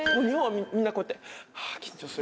みんなこうやって。